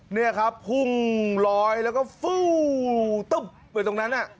เนี่ยครับหุ้งลอยแล้วก็ฟู้ตุ๊บเหมือนตรงนั้นน่ะ